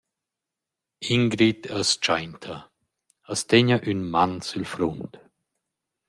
Ingrid as tschainta, as tegna ün man sül frunt.